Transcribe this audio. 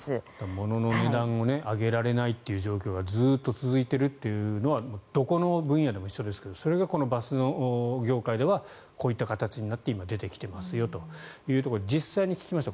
物の値段を上げられないという状況がずっと続いているというのはどこの分野でも一緒ですけどそれがこのバス業界ではこういった形になって出てきていますよということで実際に聞きました。